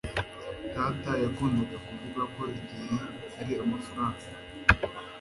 Data yakundaga kuvuga ko igihe ari amafaranga